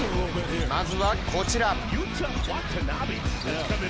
まずはこちら。